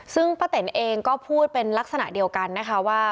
ซึ่งป้าเต๋นเองก็พูดเป็นลักษณะเดียวกันนะคะว่า